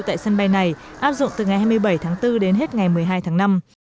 tại sân bay này áp dụng từ ngày hai mươi bảy tháng bốn đến hết ngày một mươi hai tháng năm